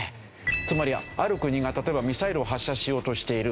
つまりある国が例えばミサイルを発射しようとしている。